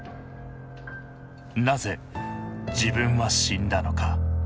なぜ自分は死んだのか。